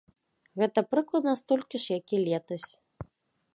Гэта прыкладна столькі ж, як і летась.